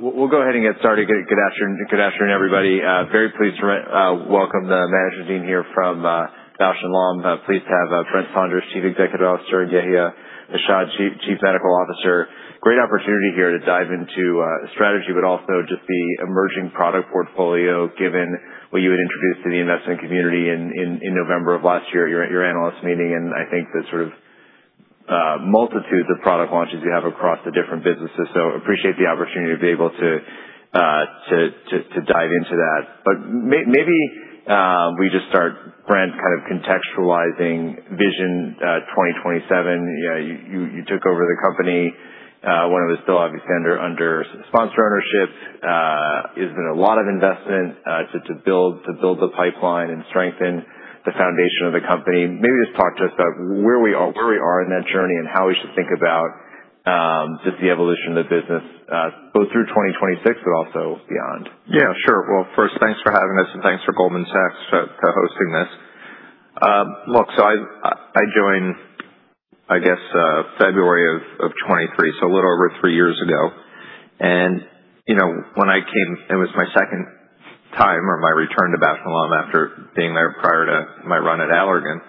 We'll go ahead and get started. Good afternoon, everybody. Very pleased to welcome the management team here from Bausch + Lomb. Pleased to have Brent Saunders, Chief Executive Officer, and Yehia Hashad, Chief Medical Officer. Great opportunity here to dive into strategy, but also just the emerging product portfolio, given what you had introduced to the investment community in November of last year at your analyst meeting. I think the sort of multitudes of product launches you have across the different businesses. Appreciate the opportunity to be able to dive into that. Maybe we just start, Brent, kind of contextualizing Vision 2027. You took over the company when it was still obviously under sponsor ownership. There's been a lot of investment to build the pipeline and strengthen the foundation of the company. Maybe just talk to us about where we are in that journey and how we should think about just the evolution of the business, both through 2026, but also beyond. Yeah, sure. Well, first, thanks for having us, and thanks for Goldman Sachs for hosting this. I joined, I guess, February of 2023, so a little over three years ago. When I came, it was my second time, or my return to Bausch + Lomb after being there prior to my run at Allergan.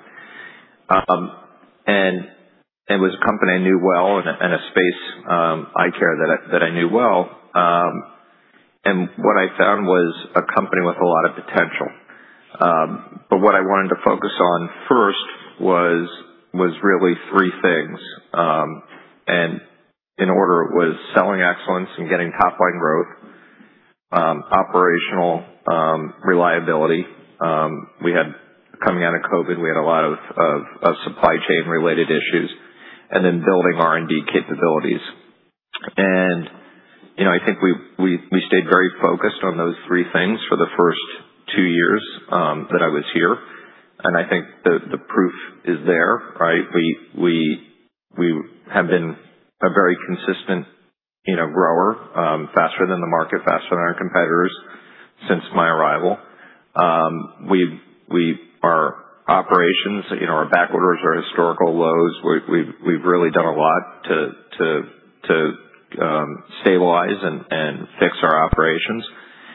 It was a company I knew well and a space, eye care, that I knew well. What I found was a company with a lot of potential. What I wanted to focus on first was really three things. In order, it was selling excellence and getting top-line growth, operational reliability. Coming out of COVID, we had a lot of supply chain-related issues, and then building R&D capabilities. I think we stayed very focused on those three things for the first two years that I was here. I think the proof is there, right? We have been a very consistent grower, faster than the market, faster than our competitors since my arrival. Our operations, our back orders are at historical lows. We've really done a lot to stabilize and fix our operations.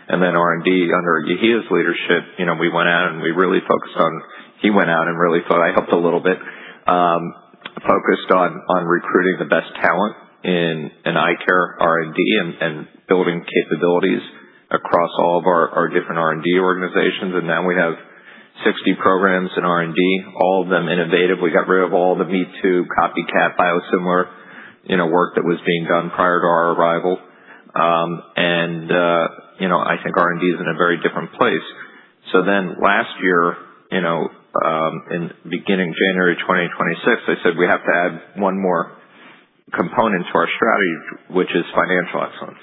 Then R&D, under Yehia's leadership, he went out and really focused, I helped a little bit, on recruiting the best talent in eye care R&D and building capabilities across all of our different R&D organizations. Now we have 60 programs in R&D, all of them innovative. We got rid of all the me-too, copycat biosimilar work that was being done prior to our arrival. I think R&D is in a very different place. Last year, in beginning January 2026, I said we have to add one more component to our strategy, which is financial excellence.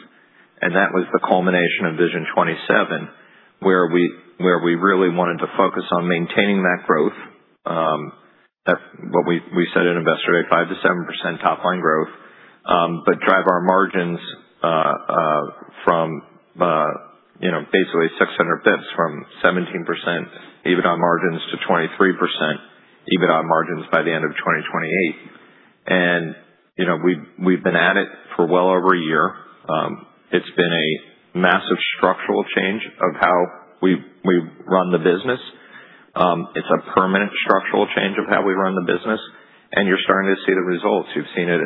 That was the culmination of Vision 2027, where we really wanted to focus on maintaining that growth. What we said at Investor Day, 5%-7% top-line growth, but drive our margins from basically 600 basis points from 17% EBITDA margins to 23% EBITDA margins by the end of 2028. We've been at it for well over a year. It's been a massive structural change of how we run the business. It's a permanent structural change of how we run the business, and you're starting to see the results. You've seen it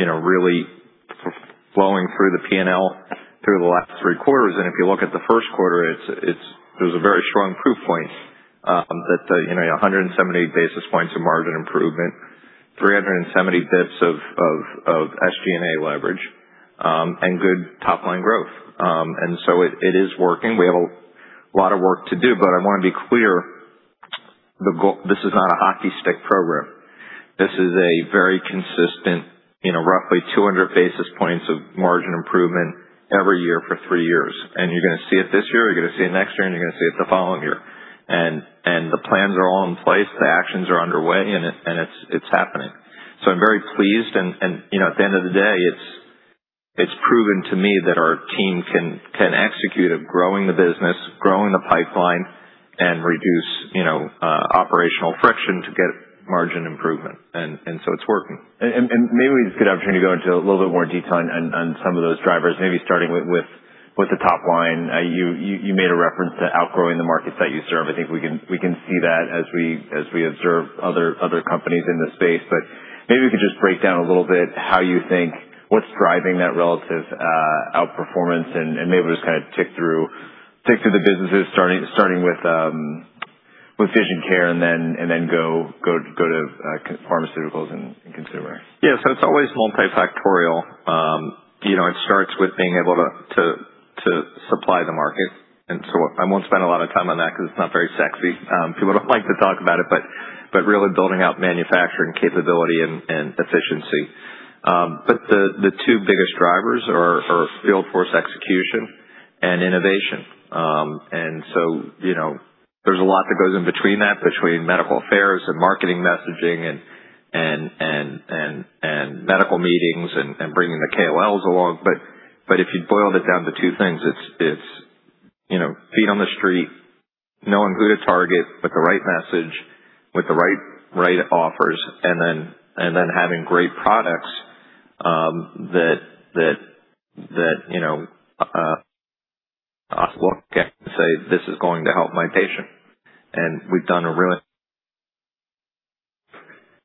really flowing through the P&L through the last three quarters. If you look at the first quarter, it was a very strong proof point that 178 basis points of margin improvement, 370 basis points of SG&A leverage, and good top-line growth. It is working. We have a lot of work to do, but I want to be clear, this is not a hockey stick program. This is a very consistent roughly 200 basis points of margin improvement every year for three years. You're going to see it this year, you're going to see it next year, and you're going to see it the following year. The plans are all in place, the actions are underway, and it's happening. I'm very pleased. At the end of the day, it's proven to me that our team can execute of growing the business, growing the pipeline, and reduce operational friction to get margin improvement. It's working. Maybe we just get an opportunity to go into a little bit more detail on some of those drivers, maybe starting with the top line. You made a reference to outgrowing the markets that you serve. I think we can see that as we observe other companies in the space. Maybe we could just break down a little bit how you think, what's driving that relative outperformance, and maybe just kind of tick through the businesses, starting with vision care and then go to pharmaceuticals and consumer? Yeah. It's always multifactorial. It starts with being able to supply the market. I won't spend a lot of time on that because it's not very sexy. People don't like to talk about it, but really building out manufacturing capability and efficiency. The two biggest drivers are field force execution and innovation. There's a lot that goes in between that, between medical affairs and marketing messaging and medical meetings and bringing the KOLs along. If you boiled it down to two things, it's feet on the street, knowing who to target with the right message, with the right offers, and then having great products that look and say, "This is going to help my patient." We've done a really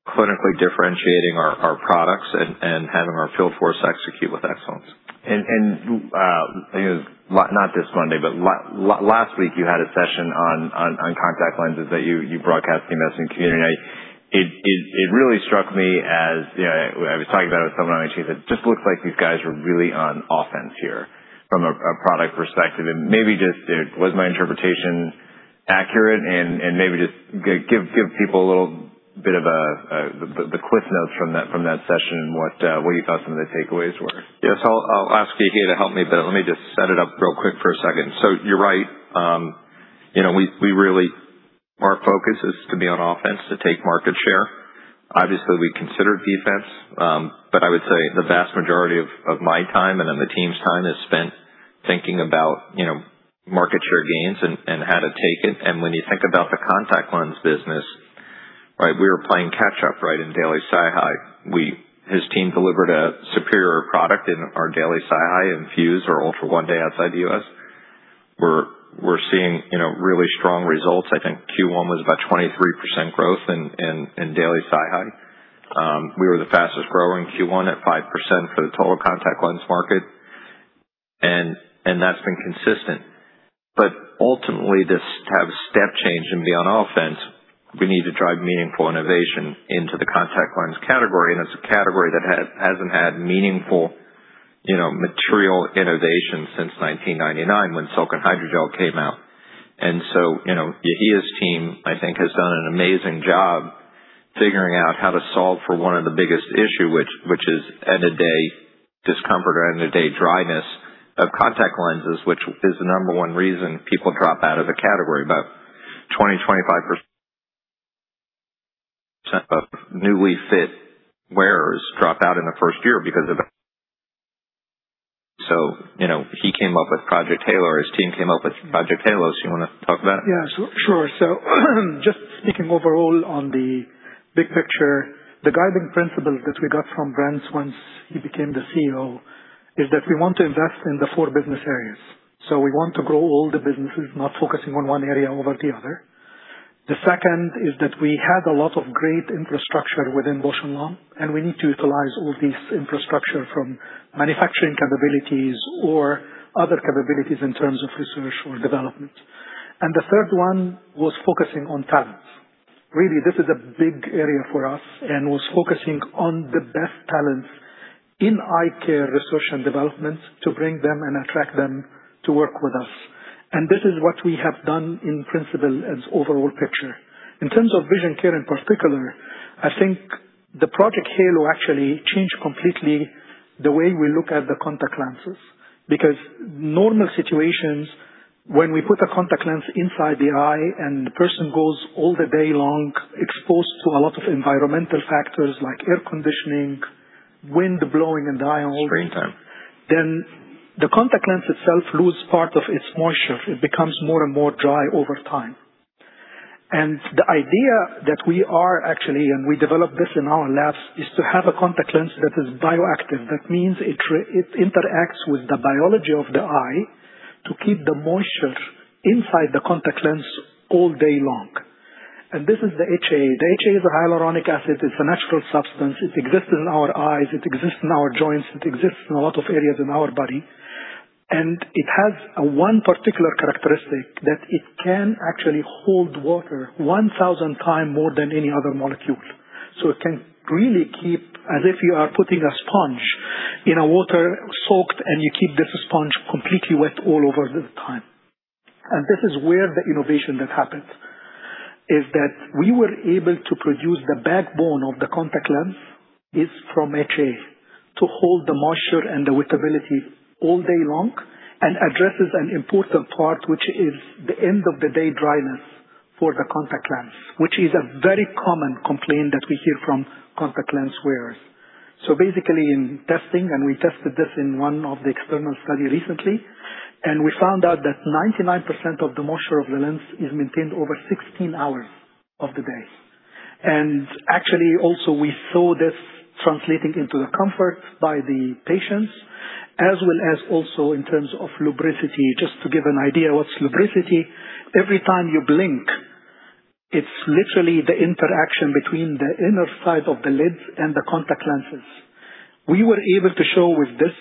clinically differentiating our products and having our field force execute with excellence. Not this Monday, but last week, you had a session on contact lenses that you broadcasted in this community. It really struck me as, I was talking about it with someone on my team, that it just looks like these guys are really on offense here from a product perspective. Maybe just, was my interpretation accurate? Maybe just give people a little bit of the CliffsNotes from that session and what you thought some of the takeaways were. Yes, I'll ask Yehia to help me, but let me just set it up real quick for a second. You're right. Our focus is to be on offense, to take market share. Obviously, we considered defense, but I would say the vast majority of my time and then the team's time is spent thinking about market share gains and how to take it. When you think about the contact lens business, we were playing catch up in daily SiHy. His team delivered a superior product in our daily SiHy INFUSE or ULTRA ONE DAY outside the U.S. We're seeing really strong results. I think Q1 was about 23% growth in daily SiHy. We were the fastest growing Q1 at 5% for the total contact lens market, and that's been consistent. Ultimately, this to have step change and be on offense, we need to drive meaningful innovation into the contact lens category. It's a category that hasn't had meaningful material innovation since 1999 when silicone hydrogel came out. Yehia's team, I think, has done an amazing job figuring out how to solve for one of the biggest issues, which is end-of-day discomfort or end-of-day dryness of contact lenses, which is the number one reason people drop out of the category. About 20, 25% of newly fit wearers drop out in the first year because of it. He came up with Project Halo. His team came up with Project Halo. You want to talk about it? Yeah, sure. Just speaking overall on the big picture, the guiding principle that we got from Brent once he became the CEO is that we want to invest in the four business areas. We want to grow all the businesses, not focusing on one area over the other. The second is that we have a lot of great infrastructure within Bausch + Lomb, and we need to utilize all these infrastructure from manufacturing capabilities or other capabilities in terms of research or development. The third one was focusing on talents. Really, this is a big area for us and was focusing on the best talents in eye care research and development to bring them and attract them to work with us. This is what we have done in principle as overall picture. In terms of vision care in particular, I think the Project Halo actually changed completely the way we look at the contact lenses. Normal situations, when we put a contact lens inside the eye and the person goes all the day long exposed to a lot of environmental factors like air conditioning, wind blowing in the eye all the time- Springtime The contact lens itself lose part of its moisture. It becomes more and more dry over time. The idea that we are actually, and we developed this in our labs, is to have a contact lens that is bioactive. That means it interacts with the biology of the eye to keep the moisture inside the contact lens all day long. This is the HA. The HA is hyaluronic acid. It's a natural substance. It exists in our eyes, it exists in our joints, it exists in a lot of areas in our body. It has one particular characteristic, that it can actually hold water 1,000 time more than any other molecule. It can really keep as if you are putting a sponge in a water soaked, and you keep this sponge completely wet all over the time. This is where the innovation that happened, is that we were able to produce the backbone of the contact lens is from HA to hold the moisture and the wettability all day long and addresses an important part, which is the end-of-the-day dryness for the contact lens, which is a very common complaint that we hear from contact lens wearers. Basically in testing, and we tested this in one of the external study recently, and we found out that 99% of the moisture of the lens is maintained over 16 hours of the day. Actually, also, we saw this translating into the comfort by the patients, as well as also in terms of lubricity. Just to give an idea what's lubricity, every time you blink, it's literally the interaction between the inner side of the lids and the contact lenses. We were able to show with this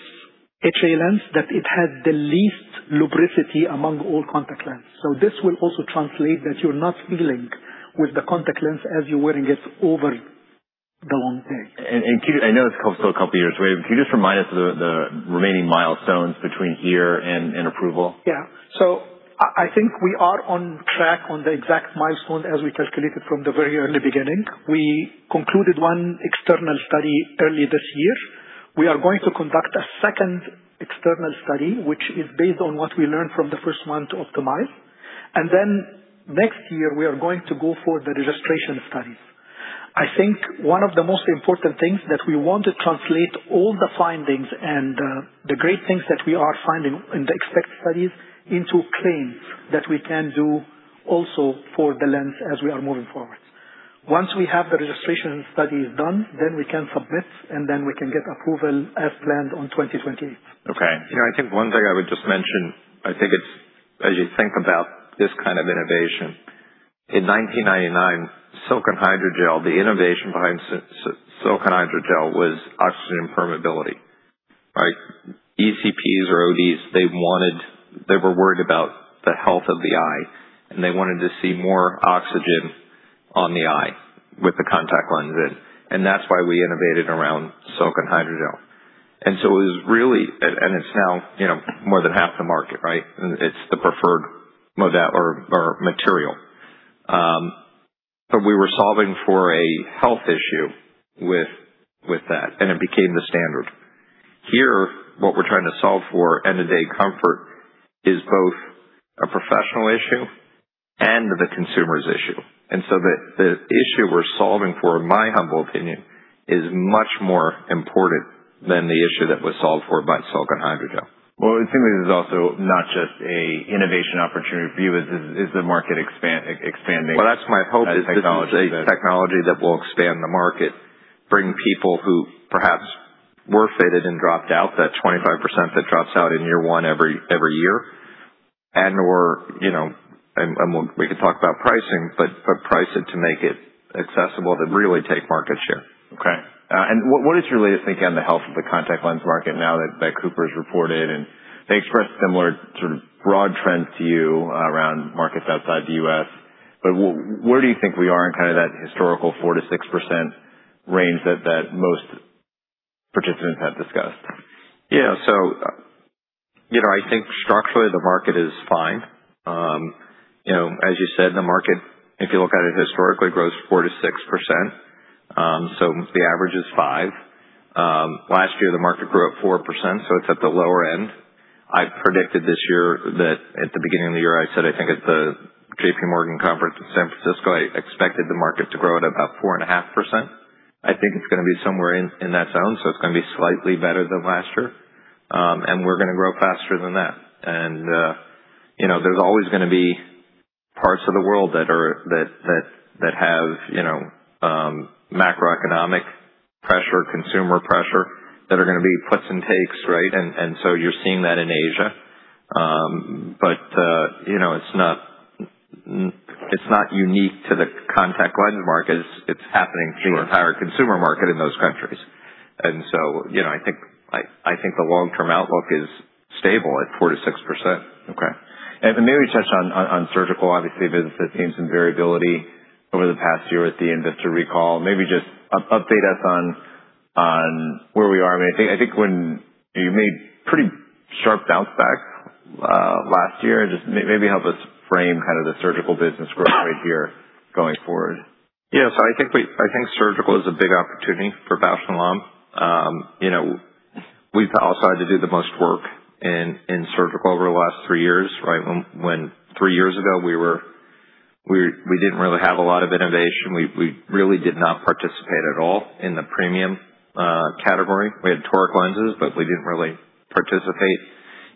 HA lens that it had the least lubricity among all contact lens. This will also translate that you're not feeling with the contact lens as you're wearing it over the long day. I know it's still a couple of years away, can you just remind us the remaining milestones between here and approval? I think we are on track on the exact milestone as we calculated from the very early beginning. We concluded one external study early this year. We are going to conduct a second external study, which is based on what we learned from the first one to optimize. Next year, we are going to go for the registration studies. I think one of the most important things that we want to translate all the findings and the great things that we are finding in the expected studies into claims that we can do also for the lens as we are moving forward. Once we have the registration studies done, we can submit, we can get approval as planned on 2027. I think one thing I would just mention, as you think about this kind of innovation, in 1999, silicone hydrogel, the innovation behind silicone hydrogel was oxygen permeability, right? ECPs or ODs, they were worried about the health of the eye, and they wanted to see more oxygen on the eye with the contact lens in. That's why we innovated around silicone hydrogel. It's now more than half the market, right? It's the preferred material. We were solving for a health issue with that, and it became the standard. Here, what we're trying to solve for, end-of-day comfort, is both a professional issue and the consumer's issue. The issue we're solving for, in my humble opinion, is much more important than the issue that was solved for by silicone hydrogel. Well, it seems this is also not just an innovation opportunity for you. Is the market expanding as technology does? Well, that's my hope. This is a technology that will expand the market, bring people who perhaps were fitted and dropped out, that 25% that drops out in year one every year, and we could talk about pricing, but price it to make it accessible to really take market share. Okay. What is your latest thinking on the health of the contact lens market now that CooperCompanies's reported, and they expressed similar sort of broad trends to you around markets outside the U.S., but where do you think we are in kind of that historical 4%-6% range that most participants have discussed? I think structurally the market is fine. As you said, the market, if you look at it historically, grows 4%-6%, so the average is five. Last year, the market grew at 4%, so it's at the lower end. At the beginning of the year, I said, I think at the JP Morgan conference in San Francisco, I expected the market to grow at about 4.5%. I think it's going to be somewhere in that zone, so it's going to be slightly better than last year. We're going to grow faster than that. There's always going to be parts of the world that have macroeconomic pressure, consumer pressure, that are going to be puts and takes, right? You're seeing that in Asia. It's not unique to the contact lens market. It's happening to the entire consumer market in those countries. I think the long-term outlook is stable at 4%-6%. Okay. Maybe touch on surgical. Obviously, the business has seen some variability over the past year with the enVista recall. Maybe just update us on where we are? I think when you made pretty sharp doubts back last year, just maybe help us frame kind of the surgical business growth rate here going forward. Yeah. I think surgical is a big opportunity for Bausch + Lomb. We've also had to do the most work in surgical over the last three years, right? When three years ago, we didn't really have a lot of innovation. We really did not participate at all in the premium category. We had toric lenses, but we didn't really participate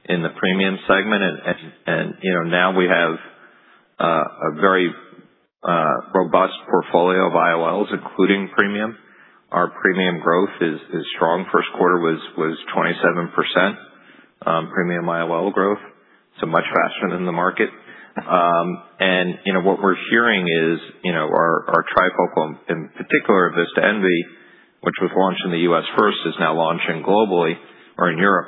in the premium segment. Now we have a very robust portfolio of IOLs, including premium. Our premium growth is strong. First quarter was 27% premium IOL growth, so much faster than the market. What we're hearing is our trifocal, in particular enVista Envy, which was launched in the U.S. first, is now launching globally or in Europe,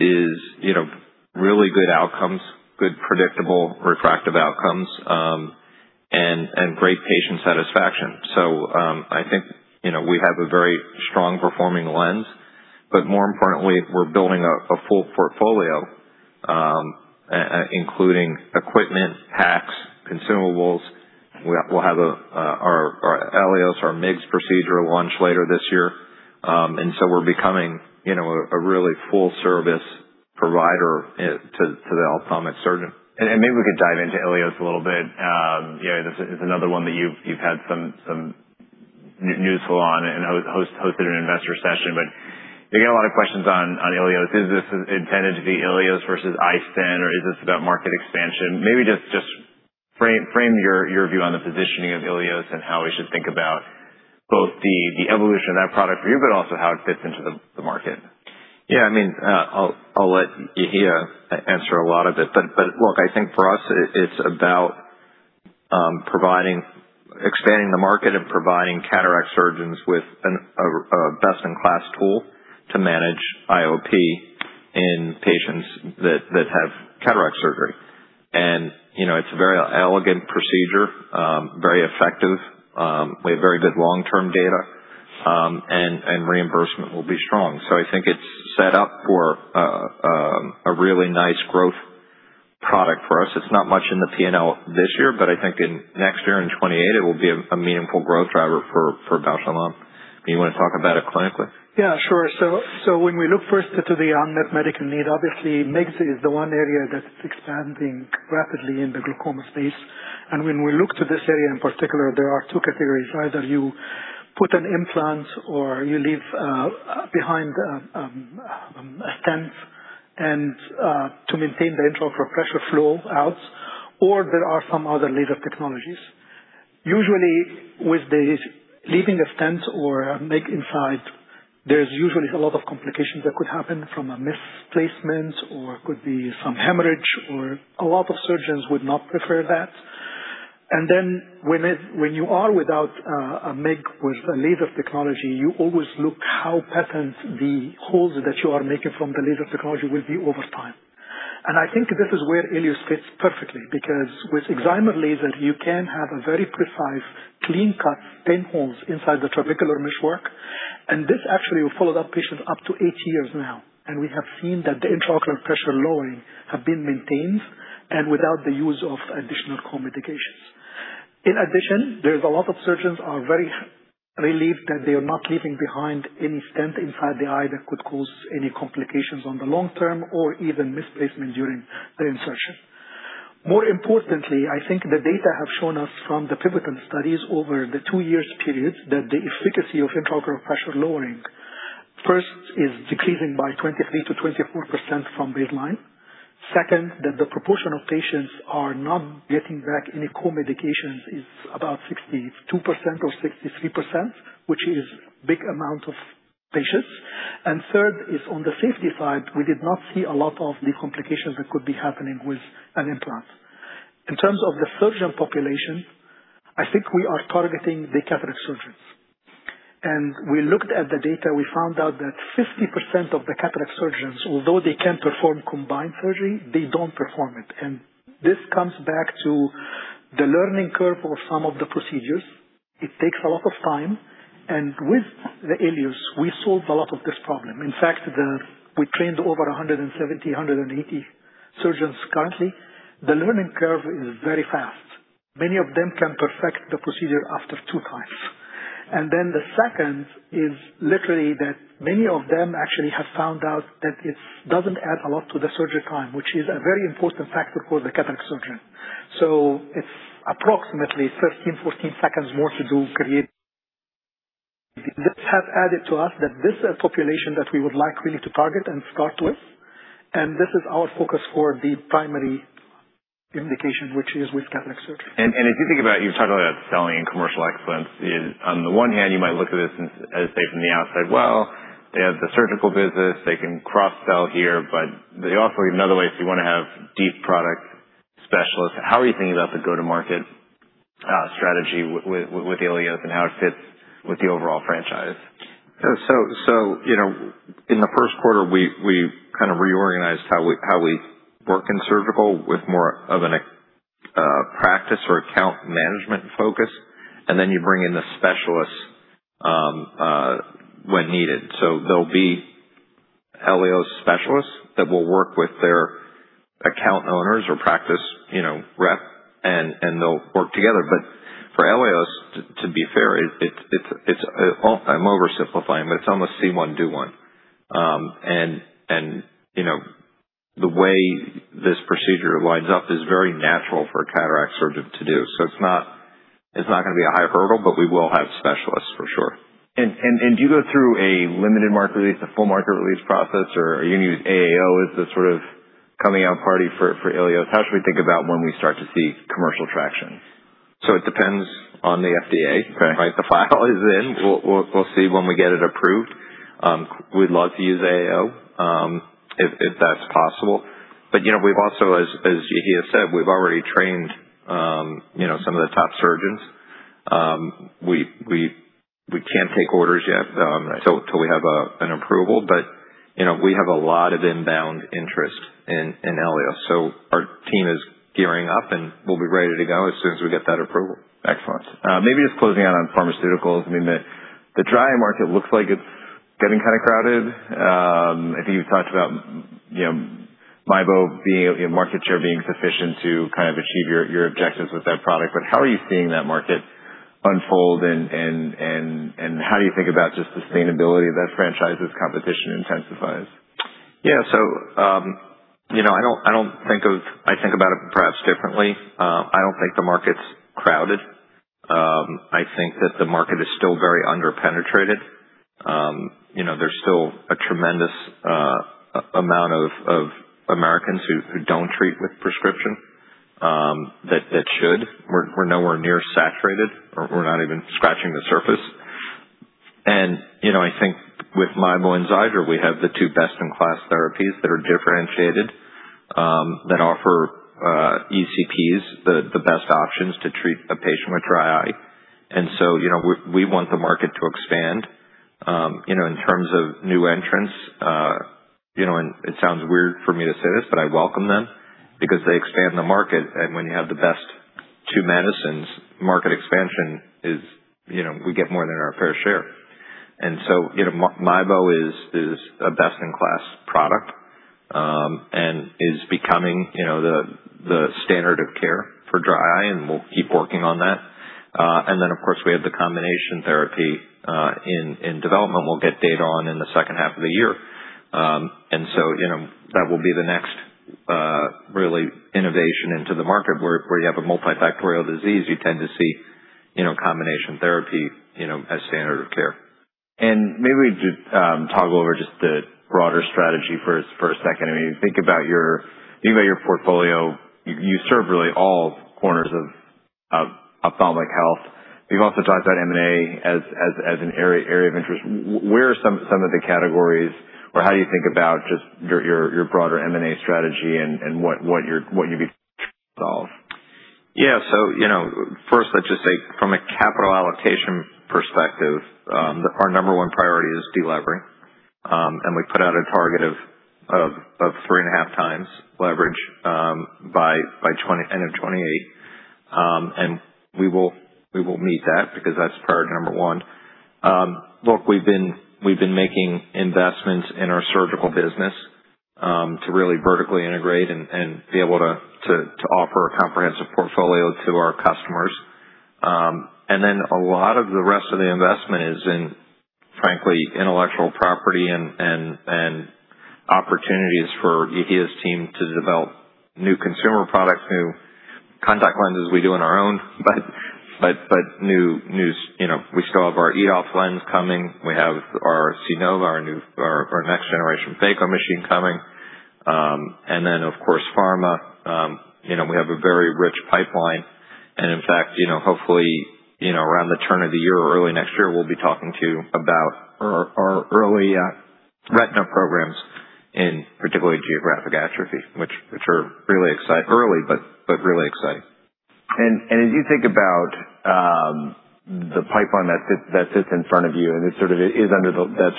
is really good outcomes, good predictable refractive outcomes, and great patient satisfaction. I think we have a very strong performing lens. More importantly, we're building a full portfolio, including equipment, packs, consumables. We'll have our ELIOS, our MIGS procedure launch later this year. We're becoming a really full-service provider to the ophthalmic surgeon. Maybe we could dive into ELIOS a little bit. This is another one that you've had some news flow on and hosted an investor session. You get a lot of questions on ELIOS. Is this intended to be ELIOS versus iStent, or is this about market expansion? Maybe just frame your view on the positioning of ELIOS and how we should think about both the evolution of that product for you, but also how it fits into the market? Yeah, I'll let Yehia answer a lot of it. Look, I think for us, it's about expanding the market and providing cataract surgeons with a best-in-class tool to manage IOP in patients that have cataract surgery. It's a very elegant procedure, very effective. We have very good long-term data. Reimbursement will be strong. I think it's set up for a really nice growth product for us. It's not much in the P&L this year, but I think in next year, in 2028, it will be a meaningful growth driver for Bausch + Lomb. You want to talk about it clinically? When we look first to the unmet medical need, obviously MIGS is the one area that's expanding rapidly in the glaucoma space. When we look to this area in particular, there are two categories. Either you put an implant or you leave behind a stent to maintain the intraocular pressure flow outs, or there are some other laser technologies. Usually with leaving a stent or a MIGS inside, there's usually a lot of complications that could happen from a misplacement, or could be some hemorrhage, or a lot of surgeons would not prefer that. When you are without a MIGS with a laser technology, you always look how patent the holes that you are making from the laser technology will be over time. I think this is where ELIOS fits perfectly, because with excimer laser, you can have a very precise, clean cut stent holes inside the trabecular meshwork. This actually we followed up patients up to eight years now, and we have seen that the intraocular pressure lowering have been maintained and without the use of additional co-medications. In addition, there's a lot of surgeons are very relieved that they are not leaving behind any stent inside the eye that could cause any complications on the long term or even misplacement during the insertion. More importantly, I think the data have shown us from the pivotal studies over the two years period that the efficacy of intraocular pressure lowering first is decreasing by 23%-24% from baseline. Second, that the proportion of patients are not getting back any co-medications is about 62% or 63%, which is big amount of patients. Third is on the safety side, we did not see a lot of the complications that could be happening with an implant. In terms of the surgeon population, I think we are targeting the cataract surgeons. We looked at the data, we found out that 50% of the cataract surgeons, although they can perform combined surgery, they don't perform it. This comes back to the learning curve for some of the procedures. It takes a lot of time. With the ELIOS, we solved a lot of this problem. In fact, we trained over 170, 180 surgeons currently. The learning curve is very fast. Many of them can perfect the procedure after two times. The second is literally that many of them actually have found out that it doesn't add a lot to the surgery time, which is a very important factor for the cataract surgeon. It's approximately 13-14 seconds more to do create. This has added to us that this population that we would like really to target and start with, and this is our focus for the primary indication, which is with cataract surgery. If you think about, you've talked about selling and commercial excellence is on the one hand, you might look at it as, say, from the outside, well, they have the surgical business, they can cross-sell here, but they also in other ways, you want to have deep product specialists. How are you thinking about the go-to-market strategy with ELIOS and how it fits with the overall franchise? In the first quarter, we kind of reorganized how we work in surgical with more of a practice or account management focus, and then you bring in the specialists when needed. There'll be ELIOS specialists that will work with their account owners or practice rep, and they'll work together. For ELIOS, to be fair, I'm oversimplifying, but it's almost see one, do one. The way this procedure lines up is very natural for a cataract surgeon to do. It's not going to be a high hurdle, but we will have specialists for sure. Do you go through a limited market release, a full market release process, or are you going to use AAO as the sort of coming out party for ELIOS? How should we think about when we start to see commercial traction? It depends on the FDA. The file is in. We'll see when we get it approved. We'd love to use AAO if that's possible. We've also, as Yehia said, we've already trained some of the top surgeons. We can't take orders yet till we have an approval, but we have a lot of inbound interest in ELIOS, so our team is gearing up, and we'll be ready to go as soon as we get that approval. Excellent. Maybe just closing out on pharmaceuticals. I mean, the dry eye market looks like it's getting kind of crowded. I think you've talked about, MIEBO market share being sufficient to kind of achieve your objectives with that product. How are you seeing that market unfold and how do you think about just sustainability of that franchise as competition intensifies? I think about it perhaps differently. I don't think the market's crowded. I think that the market is still very under-penetrated. There's still a tremendous amount of Americans who don't treat with prescription that should. We're nowhere near saturated, or we're not even scratching the surface. I think with MIEBO and XIIDRA, we have the two best-in-class therapies that are differentiated that offer ECPs the best options to treat a patient with dry eye. We want the market to expand. In terms of new entrants, and it sounds weird for me to say this, but I welcome them because they expand the market. When you have the best two medicines, market expansion is we get more than our fair share. MIEBO is a best-in-class product and is becoming the standard of care for dry eye, and we'll keep working on that. Of course, we have the combination therapy in development we'll get data on in the second half of the year. That will be the next really innovation into the market where you have a multifactorial disease, you tend to see combination therapy as standard of care. Maybe we just toggle over just the broader strategy for a second. Think about your portfolio. You serve really all corners of ophthalmic health. You've also talked about M&A as an area of interest. Where are some of the categories or how do you think about just your broader M&A strategy and what you'd be solve? First, let's just say from a capital allocation perspective, our number one priority is delevering. We put out a target of 3.5x leverage by end of 2028. We will meet that because that's priority number one. Look, we've been making investments in our surgical business to really vertically integrate and be able to offer a comprehensive portfolio to our customers. A lot of the rest of the investment is in, frankly, intellectual property and opportunities for Yehia's team to develop new consumer products, new contact lenses. We do on our own, but we still have our EDOF lens coming. We have our Stellaris, our next generation phaco machine coming. Of course, pharma. We have a very rich pipeline. In fact, hopefully, around the turn of the year or early next year, we'll be talking to you about our early retina programs in particularly geographic atrophy, which are early but really exciting. As you think about the pipeline that sits in front of you, it is under that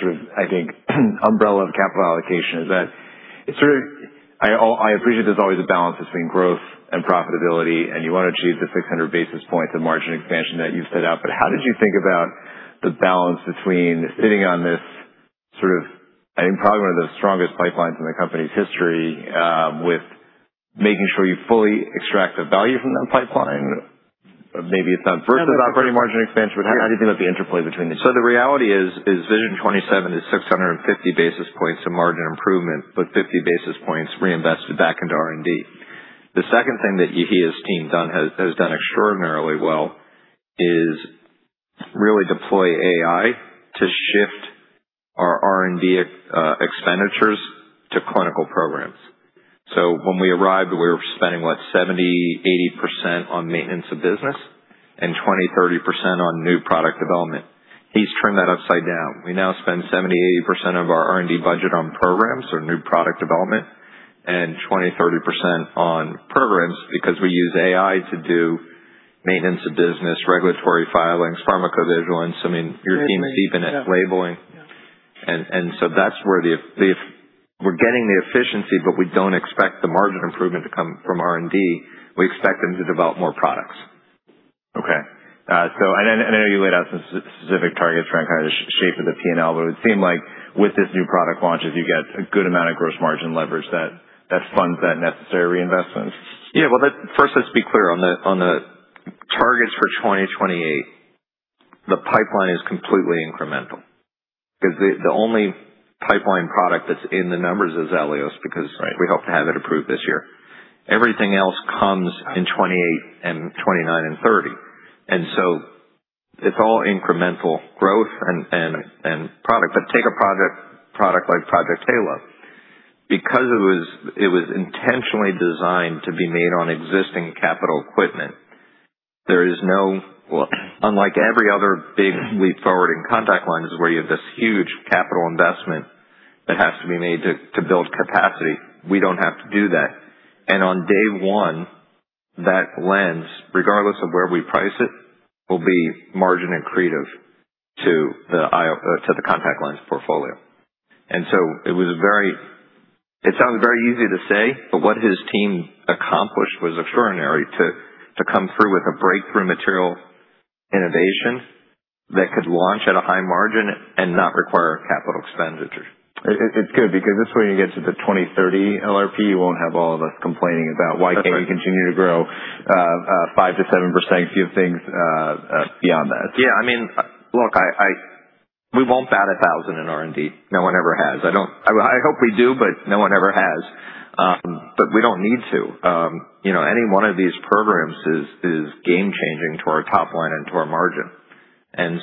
umbrella of capital allocation. I appreciate there's always a balance between growth and profitability, and you want to achieve the 600 basis points of margin expansion that you've set out. How did you think about the balance between sitting on this, probably one of the strongest pipelines in the company's history, with making sure you fully extract the value from that pipeline? Maybe it's not versus operating margin expansion. How did you think about the interplay between the two? The reality is Vision 2027 is 650 basis points of margin improvement, but 50 basis points reinvested back into R&D. The second thing that Yehia's team has done extraordinarily well is really deploy AI to shift our R&D expenditures to clinical programs. When we arrived, we were spending what? 70%, 80% on maintenance of business and 20%, 30% on new product development. He's turned that upside down. We now spend 70%, 80% of our R&D budget on programs or new product development and 20%, 30% on programs because we use AI to do maintenance of business, regulatory filings, pharmacovigilance. Your team's even at labeling. That's where we're getting the efficiency. We don't expect the margin improvement to come from R&D. We expect them to develop more products. I know you laid out some specific targets for kind of the shape of the P&L, it would seem like with this new product launch, as you get a good amount of gross margin leverage that funds that necessary reinvestment. Yeah. Well, first, let's be clear. On the targets for 2028, the pipeline is completely incremental because the only pipeline product that's in the numbers is ELIOS because we hope to have it approved this year. Everything else comes in 2028 and 2029 and 2030. It's all incremental growth and product. Take a product like Project Halo. Because it was intentionally designed to be made on existing capital equipment, unlike every other big leap forward in contact lenses where you have this huge capital investment that has to be made to build capacity, we don't have to do that. On day one, that lens, regardless of where we price it, will be margin accretive to the contact lens portfolio. It sounds very easy to say, but what his team accomplished was extraordinary to come through with a breakthrough material innovation that could launch at a high margin and not require capital expenditures. It's good because this way when you get to the 2030 LRP, you won't have all of us complaining about why can't you continue to grow 5%-7% few things beyond that? Yeah, I mean, we won't bat 1,000 in R&D. No one ever has. I hope we do, but no one ever has. We don't need to. Any one of these programs is game-changing to our top line and to our margin. I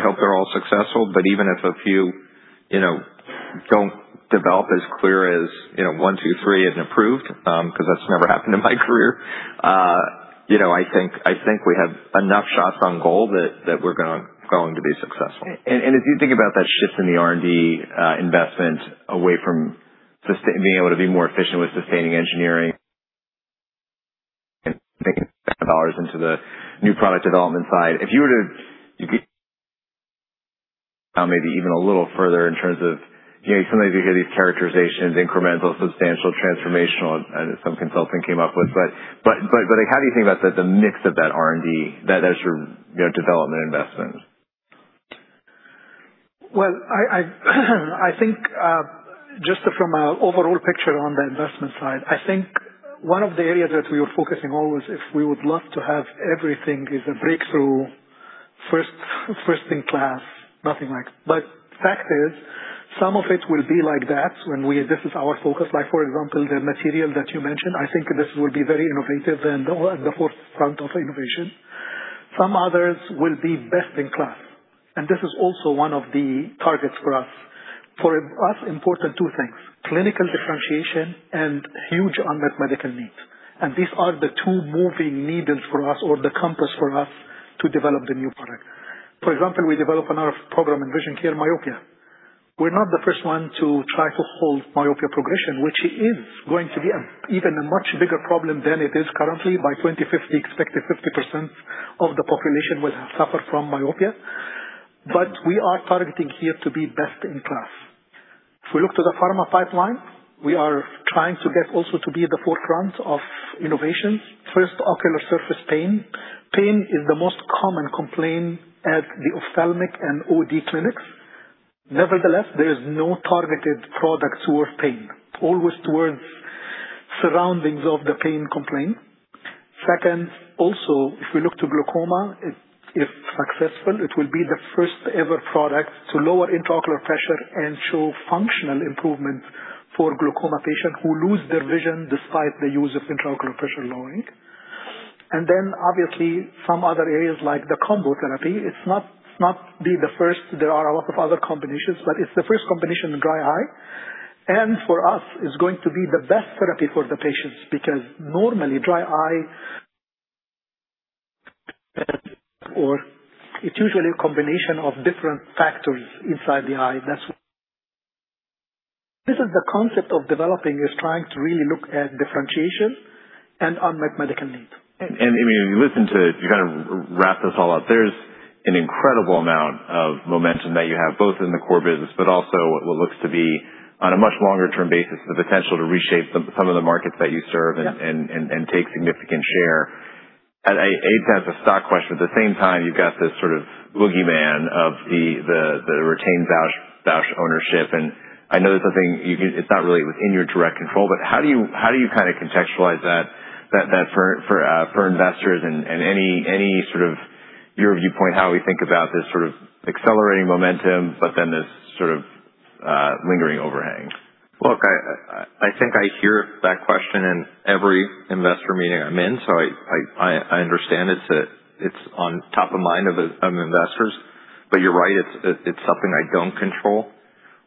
hope they're all successful, but even if a few don't develop as clear as one, two, three and approved, because that's never happened in my career, I think we have enough shots on goal that we're going to be successful. As you think about that shift in the R&D investment away from being able to be more efficient with sustaining engineering and making dollars into the new product development side, if you were to maybe even a little further in terms of, sometimes you hear these characterizations, incremental, substantial, transformational, I know some consultant came up with. How do you think about the mix of that R&D as your development investment? Well, I think just from an overall picture on the investment side, I think one of the areas that we are focusing on is if we would love to have everything is a breakthrough, first in class, nothing like. The fact is, some of it will be like that. This is our focus. For example, the material that you mentioned, I think this will be very innovative and at the forefront of innovation. Some others will be best in class, and this is also one of the targets for us. For us, important two things, clinical differentiation and huge unmet medical need. These are the two moving needles for us or the compass for us to develop the new product. For example, we develop another program in vision care, myopia. We're not the first one to try to halt myopia progression, which is going to be even a much bigger problem than it is currently. By 2050, expected 50% of the population will suffer from myopia. We are targeting here to be best in class. If we look to the pharma pipeline, we are trying to get also to be at the forefront of innovations. First, ocular surface pain. Pain is the most common complaint at the ophthalmic and OD clinics. Nevertheless, there is no targeted products towards pain. Always towards surroundings of the pain complaint. Second, also, if we look to glaucoma, if successful, it will be the first-ever product to lower intraocular pressure and show functional improvement for glaucoma patients who lose their vision despite the use of intraocular pressure lowering. Obviously some other areas like the combination therapy, it's not be the first. There are a lot of other combinations, but it's the first combination in dry eye. For us, it's going to be the best therapy for the patients because normally dry eye, it's usually a combination of different factors inside the eye. This is the concept of developing, is trying to really look at differentiation and unmet medical need. I mean, you kind of wrap this all up. There's an incredible amount of momentum that you have, both in the core business, but also what looks to be, on a much longer term basis, the potential to reshape some of the markets that you serve and take significant share. I hate to ask a stock question. At the same time, you've got this sort of boogeyman of the retained Bausch ownership, and I know this is something it's not really within your direct control, but how do you kind of contextualize that for investors and any sort of your viewpoint, how we think about this sort of accelerating momentum but then this sort of lingering overhang? Look, I think I hear that question in every investor meeting I'm in. I understand it's on top of mind of investors. You're right it's something I don't control.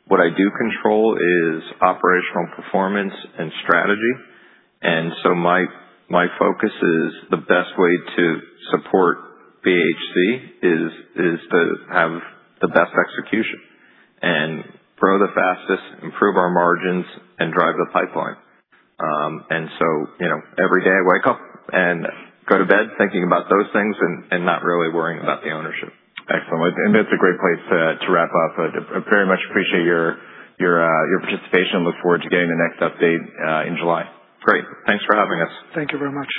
What I do control is operational performance and strategy. My focus is the best way to support BHC is to have the best execution and grow the fastest, improve our margins, and drive the pipeline. Every day I wake up and go to bed thinking about those things and not really worrying about the ownership. Excellent. That's a great place to wrap up. I very much appreciate your participation and look forward to getting the next update in July. Great. Thanks for having us. Thank you very much.